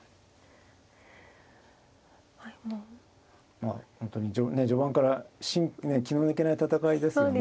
まあ本当にねえ序盤から気の抜けない戦いですよね。